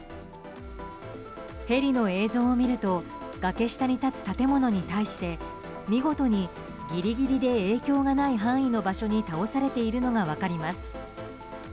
ヘリの映像を見ると崖下に立つ建物に対して見事にぎりぎりで影響がない範囲の場所に倒されているのが分かります。